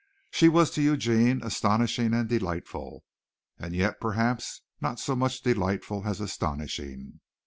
She was to Eugene astonishing and delightful; and yet perhaps not so much delightful as astonishing.